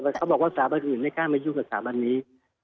เขาบอกว่าสถาบันอื่นไม่กล้ามายุ่งกับสถาบันนี้